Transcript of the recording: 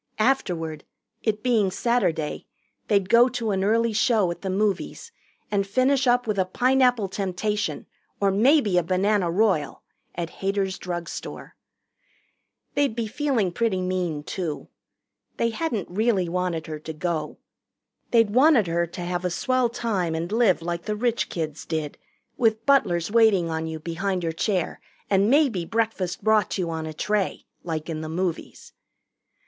Afterward, it being Saturday, they'd go to an early show at the movies and finish up with a Pineapple Temptation or maybe a Banana Royal at Hader's drugstore. They'd be feeling pretty mean, too. They hadn't really wanted her to go. They'd wanted her to have a swell time and live like the rich kids did, with butlers waiting on you behind your chair and maybe breakfast brought you on a tray, like in the movies.